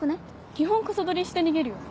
基本コソ撮りして逃げるよね。